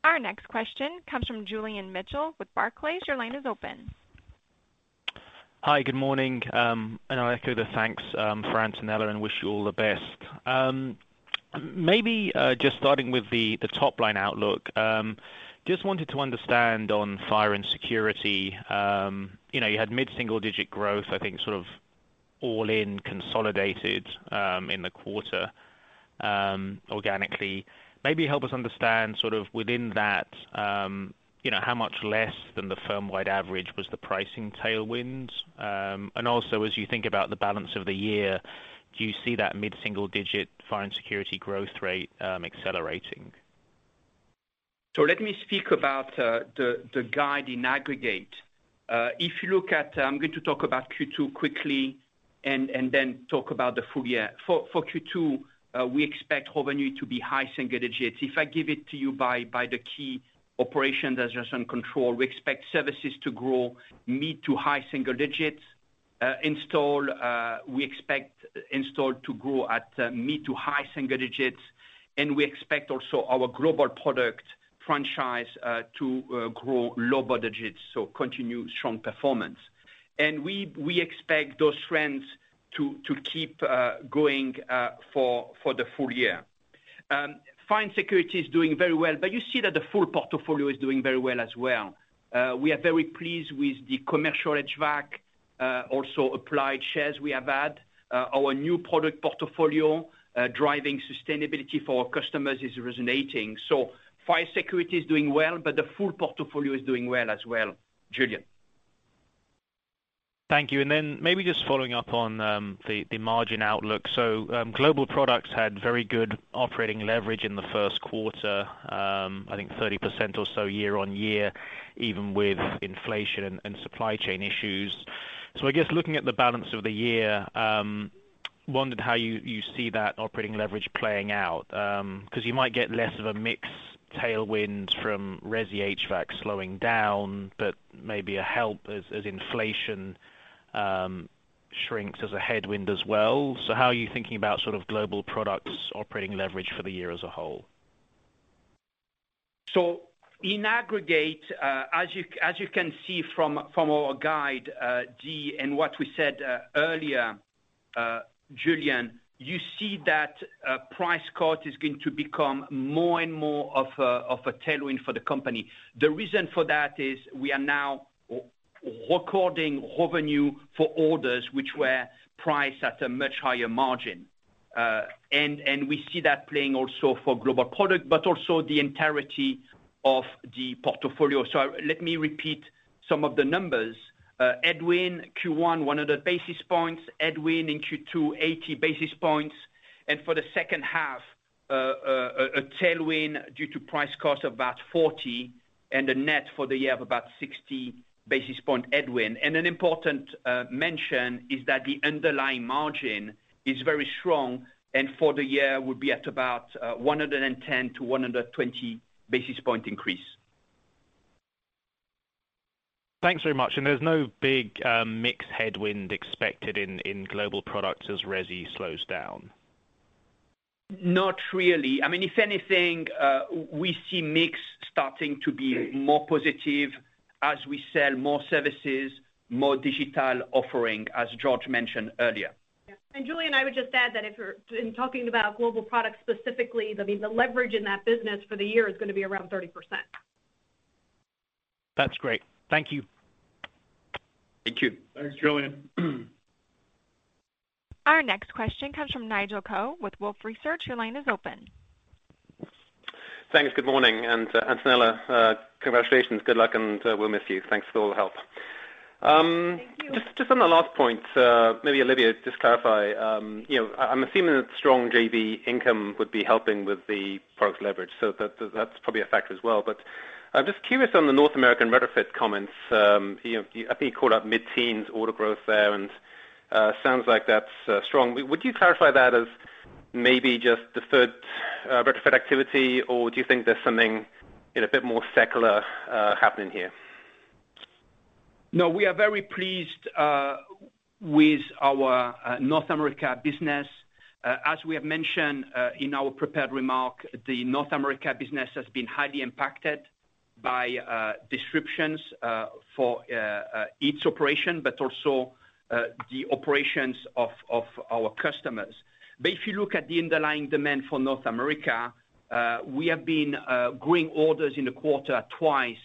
Our next question comes from Julian Mitchell with Barclays. Your line is open. Hi, good morning. I echo the thanks, Antonella Franzen. Wish you all the best. Maybe just starting with the top line outlook, just wanted to understand on fire and security, you know, you had mid-single digit growth, I think, sort of all in consolidated, in the quarter, organically. Maybe help us understand sort of within that, you know, how much less than the firmwide average was the pricing tailwind? Also as you think about the balance of the year, do you see that mid-single digit fire and security growth rate, accelerating? Let me speak about the guide in aggregate. If you look at, I'm going to talk about Q2 quickly and then talk about the full year. For Q2, we expect revenue to be high single digits. If I give it to you by the key operations that are in control, we expect Services to grow mid to high single digits. Install, we expect Install to grow at mid to high single digits, and we expect also our Global Product franchise to grow low digits, so continue strong performance. We expect those trends to keep going for the full year. Fire and Security is doing very well, but you see that the full portfolio is doing very well as well. We are very pleased with the commercial HVAC, also applied sales we have had. Our new product portfolio driving sustainability for our customers is resonating. Fire and Security is doing well, but the full portfolio is doing well as well, Julian. Thank you. Maybe just following up on the margin outlook. Global products had very good operating leverage in the first quarter, I think 30% or so year-on-year, even with inflation and supply chain issues. I guess looking at the balance of the year, wondered how you see that operating leverage playing out, because you might get less of a mix tailwind from resi HVAC slowing down, but maybe a help as inflation shrinks as a headwind as well. How are you thinking about sort of global products operating leverage for the year as a whole? In aggregate, as you can see from our guide, D, and what we said earlier, Julian, you see that price-cost is going to become more and more of a tailwind for the company. The reason for that is we are now recording revenue for orders which were priced at a much higher margin. We see that playing also for global product, but also the entirety of the portfolio. Let me repeat some of the numbers. Headwind in Q1 of 100 basis points, headwind in Q2 of 80 basis points. For the second half, a tailwind due to price-cost of about 40 and a net for the year of about 60 basis point headwind. An important mention is that the underlying margin is very strong, and for the year will be at about 110-120 basis point increase. Thanks very much. There's no big mix headwind expected in global products as resi slows down? Not really. I mean, if anything, we see mix starting to be more positive as we sell more services, more digital offering, as George mentioned earlier. Julian, I would just add that if you're talking about global products specifically, I mean, the leverage in that business for the year is gonna be around 30%. That's great. Thank you. Thank you. Thanks, Julian. Our next question comes from Nigel Coe with Wolfe Research. Your line is open. Thanks. Good morning. Antonella, congratulations. Good luck, and we'll miss you. Thanks for all the help. Thank you. Just on the last point, maybe Olivier, just clarify. You know, I'm assuming that strong JV income would be helping with the product leverage, so that's probably a factor as well. I'm just curious on the North American retrofit comments. You know, I think you called out mid-teens order growth there and sounds like that's strong. Would you clarify that as maybe just deferred retrofit activity, or do you think there's something a bit more secular happening here? No, we are pleased with our North America business. As we have mentioned in our prepared remark, the North America business has been highly impacted by disruptions for its operation, but also the operations of our customers. If you look at the underlying demand for North America, we have been growing orders in the quarter twice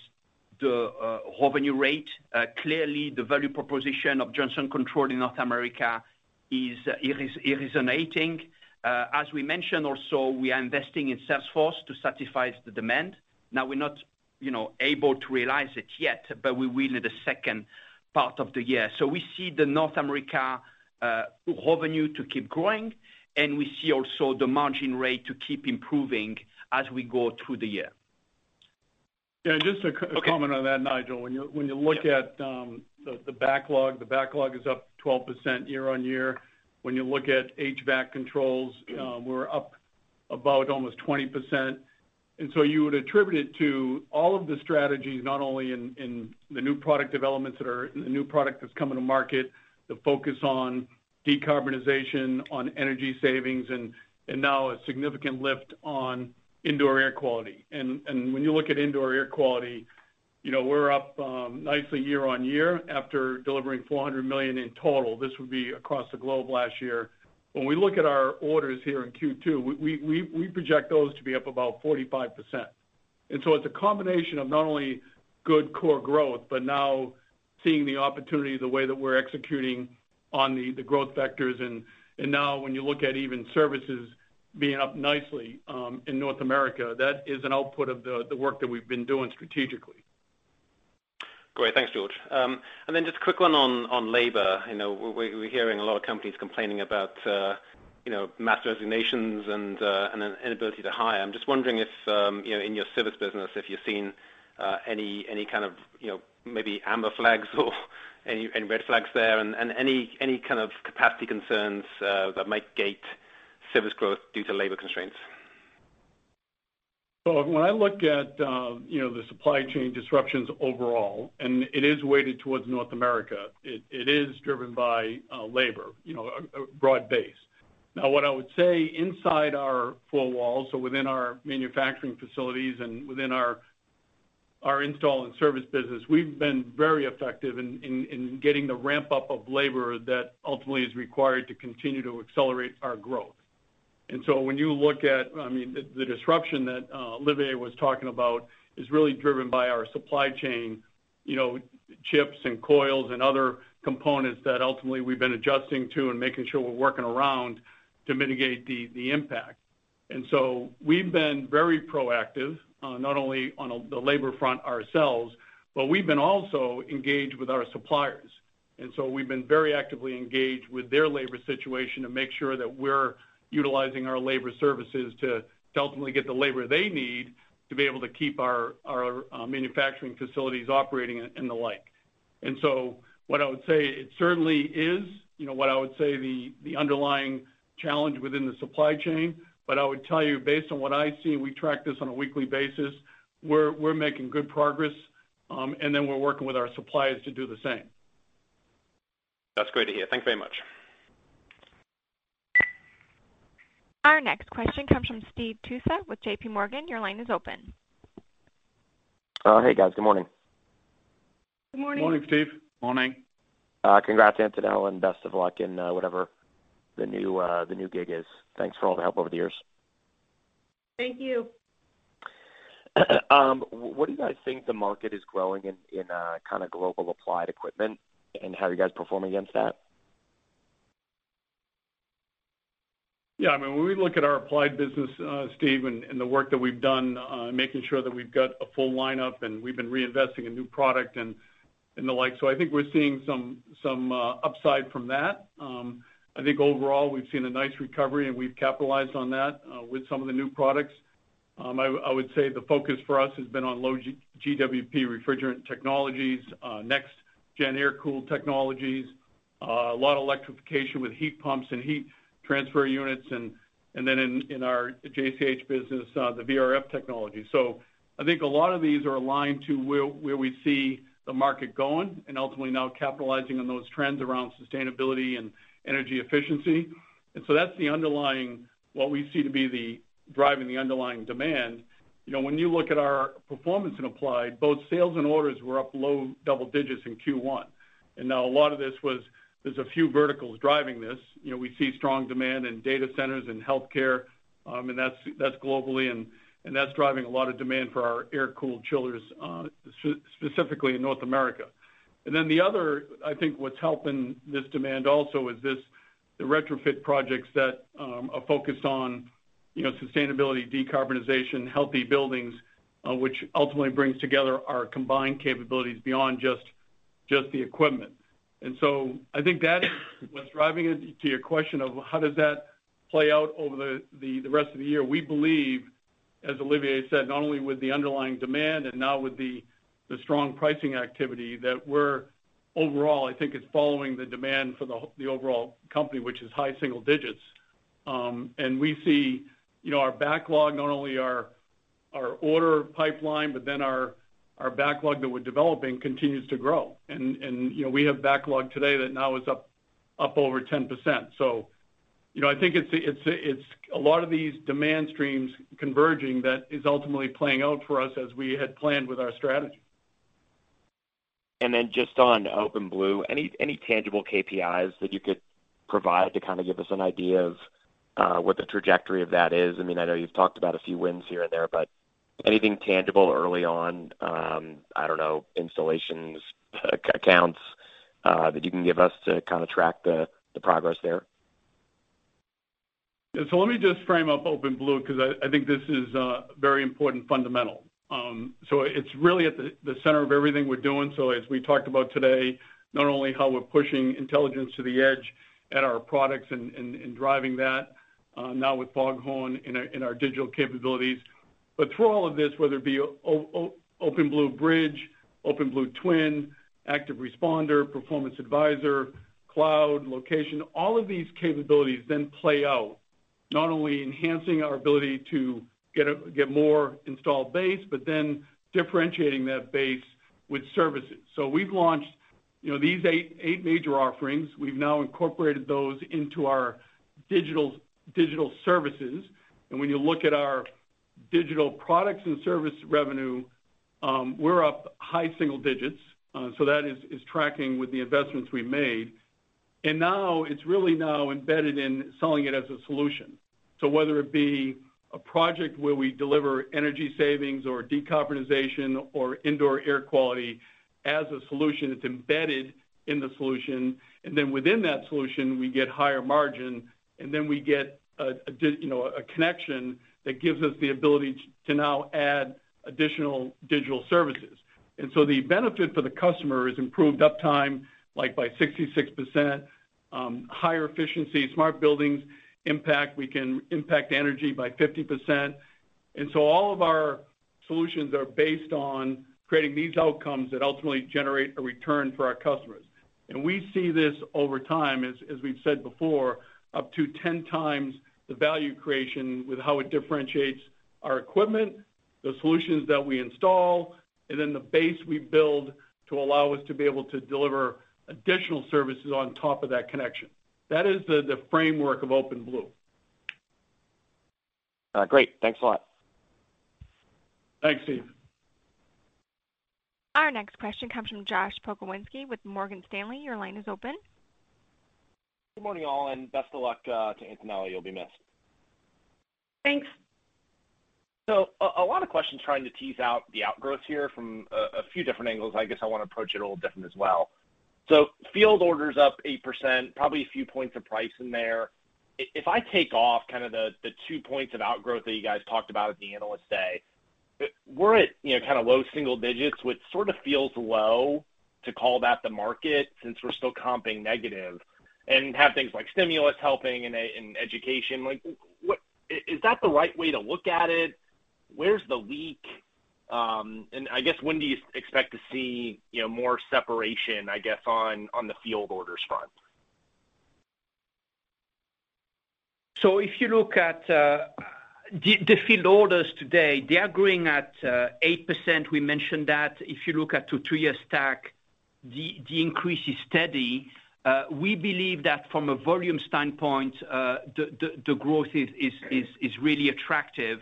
the revenue rate. Clearly the value proposition of Johnson Controls in North America is innovating. As we mentioned also, we are investing in Salesforce to satisfy the demand. Now we're not, you know, able to realize it yet, but we will in the second part of the year. We see the North America revenue to keep growing, and we see also the margin rate to keep improving as we go through the year. Yeah. Just a comment on that, Nigel. When you look at the backlog, the backlog is up 12% year-over-year. When you look at HVAC controls, we're up about almost 20%. You would attribute it to all of the strategies, not only in the new product developments, the new product that's coming to market, the focus on decarbonization, on energy savings and now a significant lift on indoor air quality. When you look at indoor air quality, you know, we're up nicely year-over-year after delivering $400 million in total. This would be across the globe last year. When we look at our orders here in Q2, we project those to be up about 45%. It's a combination of not only good core growth, but now seeing the opportunity, the way that we're executing on the growth vectors. Now when you look at even services being up nicely in North America, that is an output of the work that we've been doing strategically. Great. Thanks, George. Just a quick one on labor. You know, we're hearing a lot of companies complaining about, you know, mass resignations and an inability to hire. I'm just wondering if, you know, in your service business, if you're seeing any kind of, you know, maybe amber flags or any red flags there and any kind of capacity concerns that might gate service growth due to labor constraints. When I look at, you know, the supply chain disruptions overall, and it is weighted towards North America, it is driven by labor, you know, broad base. Now, what I would say inside our four walls, so within our manufacturing facilities and within our install and service business, we've been very effective in getting the ramp up of labor that ultimately is required to continue to accelerate our growth. When you look at, I mean, the disruption that Olivier was talking about is really driven by our supply chain, you know, chips and coils and other components that ultimately we've been adjusting to and making sure we're working around to mitigate the impact. We've been very proactive, not only on the labor front ourselves, but we've been also engaged with our suppliers. We've been very actively engaged with their labor situation to make sure that we're utilizing our labor services to ultimately get the labor they need to be able to keep our manufacturing facilities operating and the like. What I would say it certainly is the underlying challenge within the supply chain. But I would tell you based on what I see, and we track this on a weekly basis, we're making good progress, and then we're working with our suppliers to do the same. That's great to hear. Thank you very much. Our next question comes from Steve Tusa with J.P. Morgan. Your line is open. Hey, guys. Good morning. Good morning. Morning, Steve. Morning. Congrats, Antonella and best of luck in whatever the new gig is. Thanks for all the help over the years. Thank you. What do you guys think the market is growing in kind of global applied equipment and how are you guys performing against that? Yeah, I mean, when we look at our applied business, Steve, and the work that we've done, making sure that we've got a full lineup and we've been reinvesting in new product and the like. I think we're seeing some upside from that. I think overall we've seen a nice recovery, and we've capitalized on that with some of the new products. I would say the focus for us has been on low GWP refrigerant technologies, next gen air cooled technologies, a lot of electrification with heat pumps and heat transfer units and then in our JCH business, the VRF technology. I think a lot of these are aligned to where we see the market going and ultimately now capitalizing on those trends around sustainability and energy efficiency. That's the underlying, what we see to be driving the underlying demand. You know, when you look at our performance in Applied, both sales and orders were up low double digits in Q1. Now a lot of this was; there's a few verticals driving this. You know, we see strong demand in data centers and healthcare, and that's globally and that's driving a lot of demand for our air-cooled chillers, specifically in North America. I think what's helping this demand also is the retrofit projects that are focused on, you know, sustainability, decarbonization, healthy buildings, which ultimately brings together our combined capabilities beyond just the equipment. I think that is what's driving it to your question of how does that play out over the rest of the year. We believe, as Olivier said, not only with the underlying demand and now with the strong pricing activity that we're overall, I think is following the demand for the the overall company, which is high single digits. We see, you know, our backlog, not only our order pipeline, but then our backlog that we're developing continues to grow. You know, we have backlog today that now is up over 10%. You know, I think it's a lot of these demand streams converging that is ultimately playing out for us as we had planned with our strategy. Just on OpenBlue, any tangible KPIs that you could provide to kind of give us an idea of what the trajectory of that is? I mean, I know you've talked about a few wins here and there, but anything tangible early on, I don't know, installations, accounts, that you can give us to kind of track the progress there? Yeah. Let me just frame up OpenBlue, 'cause I think this is very important fundamental. It’s really at the center of everything we're doing. As we talked about today, not only how we're pushing intelligence to the edge at our products and driving that now with FogHorn in our digital capabilities. But through all of this, whether it be OpenBlue Bridge, OpenBlue Twin, Active Responder, Performance Advisor, Cloud, Location, all of these capabilities then play out, not only enhancing our ability to get more installed base, but then differentiating that base with services. We've launched, you know, these eight major offerings. We've now incorporated those into our digital services. When you look at our digital products and service revenue, we're up high single digits. That is tracking with the investments we made. Now it's really now embedded in selling it as a solution. Whether it be a project where we deliver energy savings or decarbonization or indoor air quality as a solution, it's embedded in the solution. Then within that solution, we get higher margin, and then we get you know, a connection that gives us the ability to now add additional digital services. The benefit for the customer is improved uptime, like by 66%, higher efficiency, smart buildings impact. We can impact energy by 50%. All of our solutions are based on creating these outcomes that ultimately generate a return for our customers. We see this over time, as we've said before, up to 10 times the value creation with how it differentiates our equipment, the solutions that we install, and then the base we build to allow us to be able to deliver additional services on top of that connection. That is the framework of OpenBlue. Great. Thanks a lot. Thanks, Steve. Our next question comes from Josh Pokrzywinski with Morgan Stanley. Your line is open. Good morning, all, and best of luck to Antonella. You'll be missed. Thanks. A lot of questions trying to tease out the outgrowths here from a few different angles. I guess I wanna approach it a little different as well. Field orders up 8%, probably a few points of price in there. If I take off kind of the 2 points of outgrowth that you guys talked about at the Analyst Day, we're at you know kind of low single digits, which sort of feels low to call that the market since we're still comping negative and have things like stimulus helping in education. Like, what is that the right way to look at it? Where's the leak? And I guess when do you expect to see you know more separation I guess on the field orders front? If you look at the field orders today, they are growing at 8%. We mentioned that. If you look at 2-3-year stack, the increase is steady. We believe that from a volume standpoint, the growth is really attractive.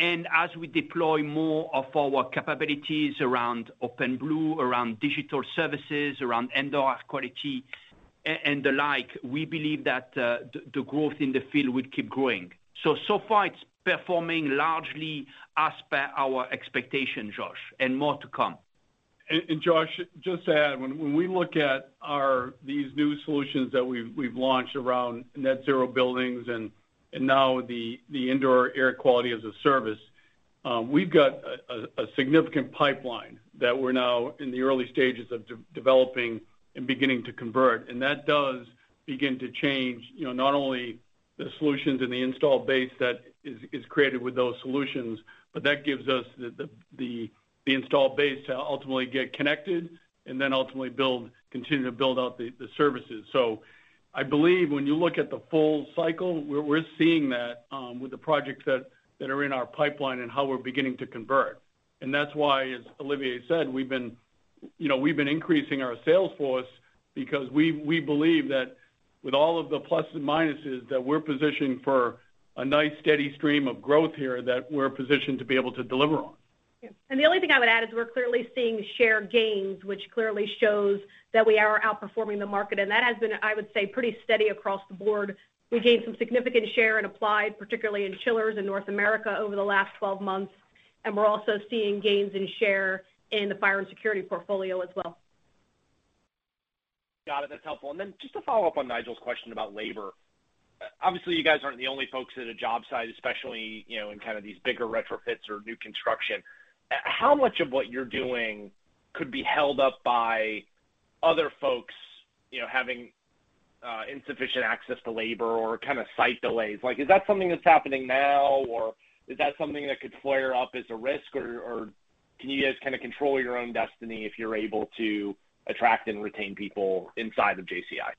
As we deploy more of our capabilities around OpenBlue, around digital services, around indoor air quality and the like, we believe that the growth in the field will keep growing. Far it's performing largely as per our expectation, Josh, and more to come. Josh, just to add, when we look at our these new solutions that we've launched around net zero buildings and now the Indoor Air Quality as a Service, we've got a significant pipeline that we're now in the early stages of developing and beginning to convert. That does begin to change, you know, not only the solutions in the installed base that is created with those solutions, but that gives us the installed base to ultimately get connected and then ultimately build, continue to build out the services. I believe when you look at the full cycle, we're seeing that, with the projects that are in our pipeline and how we're beginning to convert. That's why, as Olivier said, you know, we've been increasing our sales force because we believe that with all of the plus and minuses, that we're positioned for a nice steady stream of growth here that we're positioned to be able to deliver on. Yeah. The only thing I would add is we're clearly seeing share gains, which clearly shows that we are outperforming the market. That has been, I would say, pretty steady across the board. We gained some significant share in applied, particularly in chillers in North America over the last 12 months, and we're also seeing gains in share in the fire and security portfolio as well. Got it. That's helpful. Just to follow up on Nigel's question about labor. Obviously, you guys aren't the only folks at a job site, especially, you know, in kind of these bigger retrofits or new construction. How much of what you're doing could be held up by other folks, you know, having insufficient access to labor or kind of site delays? Like, is that something that's happening now, or is that something that could flare up as a risk, or can you guys kinda control your own destiny if you're able to attract and retain people inside of JCI?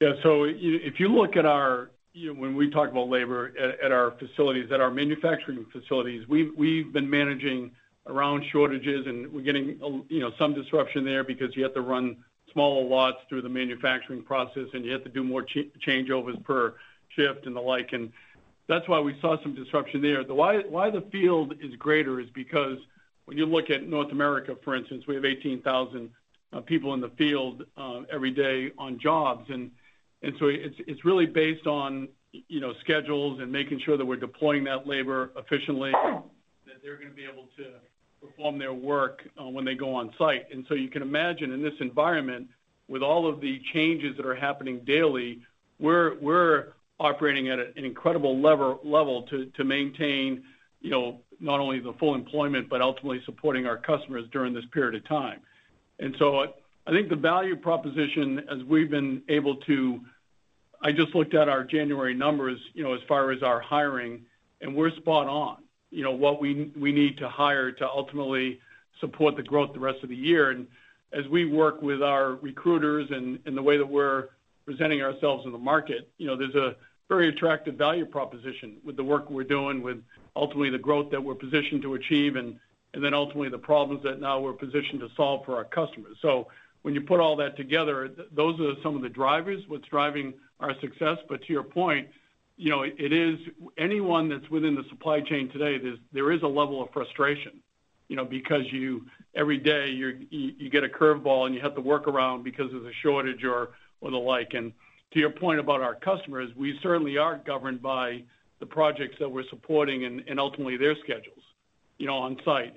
If you look at our, you know, when we talk about labor at our facilities, at our manufacturing facilities, we've been managing around shortages, and we're getting, you know, some disruption there because you have to run smaller lots through the manufacturing process, and you have to do more changeovers per shift and the like. That's why we saw some disruption there. That's why the field is greater is because when you look at North America, for instance, we have 18,000 people in the field every day on jobs. It's really based on, you know, schedules and making sure that we're deploying that labor efficiently, that they're gonna be able to perform their work when they go on site. You can imagine in this environment, with all of the changes that are happening daily, we're operating at an incredible level to maintain, you know, not only the full employment, but ultimately supporting our customers during this period of time. I think the value proposition as we've been able to. I just looked at our January numbers, you know, as far as our hiring, and we're spot on, you know, what we need to hire to ultimately support the growth the rest of the year. As we work with our recruiters and in the way that we're presenting ourselves in the market, you know, there's a very attractive value proposition with the work we're doing with ultimately the growth that we're positioned to achieve and then ultimately the problems that now we're positioned to solve for our customers. When you put all that together, those are some of the drivers, what's driving our success. To your point, you know, it is anyone that's within the supply chain today, there is a level of frustration, you know, because every day, you get a curve ball and you have to work around because of the shortage or the like. To your point about our customers, we certainly are governed by the projects that we're supporting and ultimately their schedules, you know, on site.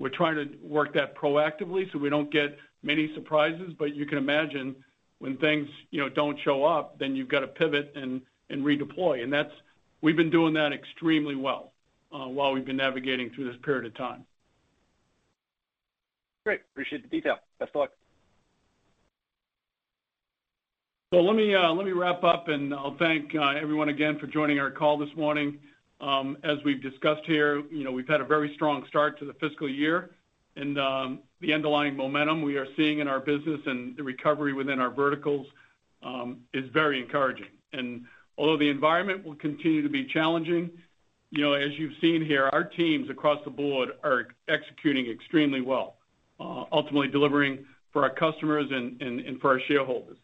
We're trying to work that proactively so we don't get many surprises. You can imagine when things, you know, don't show up, then you've got to pivot and redeploy. That's. We've been doing that extremely well while we've been navigating through this period of time. Great. Appreciate the detail. Best of luck. Let me wrap up, and I'll thank everyone again for joining our call this morning. As we've discussed here, you know, we've had a very strong start to the fiscal year, and the underlying momentum we are seeing in our business and the recovery within our verticals is very encouraging. Although the environment will continue to be challenging, you know, as you've seen here, our teams across the board are executing extremely well, ultimately delivering for our customers and for our shareholders.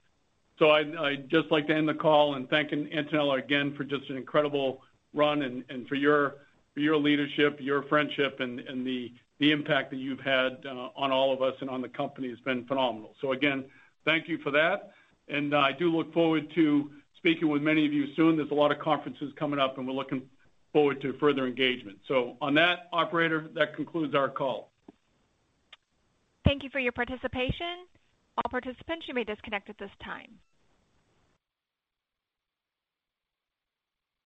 I'd just like to end the call and thank Antonella again for just an incredible run and for your leadership, your friendship, and the impact that you've had on all of us and on the company has been phenomenal. Again, thank you for that, and I do look forward to speaking with many of you soon. There's a lot of conferences coming up, and we're looking forward to further engagement. On that, operator, that concludes our call. Thank you for your participation. All participants, you may disconnect at this time.